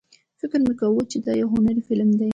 فکر مې کاوه چې دا یو هنري فلم دی.